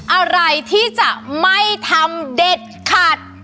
อะไรที่จะไม่ทำเด็ดขาด